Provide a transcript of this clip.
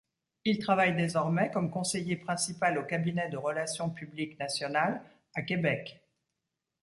Il travaille désormais comme conseiller principal au cabinet de relations publiques National à Québec.